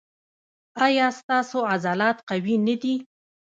ایا ستاسو عضلات قوي نه دي؟